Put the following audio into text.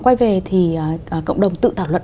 quay về thì cộng đồng tự thảo luận